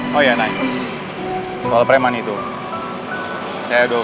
lindungilah dia ya allah